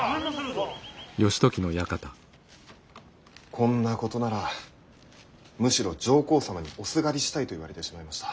こんなことならむしろ上皇様におすがりしたいと言われてしまいました。